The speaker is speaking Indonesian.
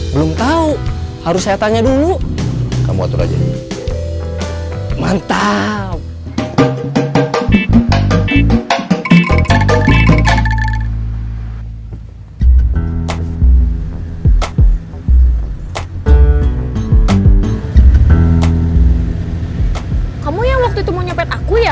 belum tahu harus saya tanya dulu kamu atau aja mantap kamu yang waktu itu menyepet aku ya